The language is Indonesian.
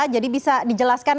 jadi bisa dijelaskan